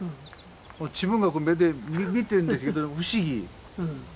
自分が目で見てるんですけど不思議。